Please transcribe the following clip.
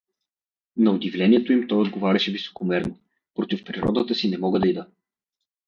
На удивлението им той отговаряше високомерно: — Против природата си не мога да ида.